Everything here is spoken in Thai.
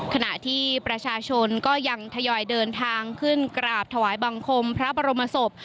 ขณะที่ประชาชนก็ยังทยอยเดินทางขึ้นกราบถวายบังคมพระบรมศพ